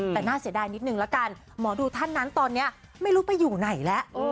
แต่น่าเสียดายนิดนึงละกันหมอดูท่านนั้นตอนนี้ไม่รู้ไปอยู่ไหนแล้ว